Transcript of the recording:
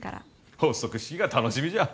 発足式が楽しみじゃ。